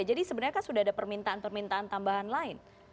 jadi sebenarnya kan sudah ada permintaan permintaan tambahan lain